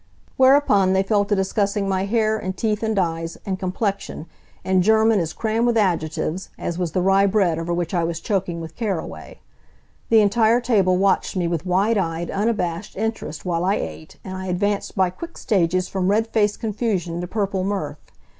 Whereupon they fell to discussing my hair and teeth and eyes and complexion in German as crammed with adjectives as was the rye bread over which I was choking with caraway. The entire table watched me with wide eyed, unabashed interest while I ate, and I advanced by quick stages from red faced confusion to purple mirth.